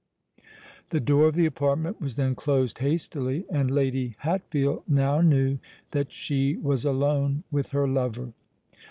The door of the apartment was then closed hastily; and Lady Hatfield now knew that she was alone with her lover.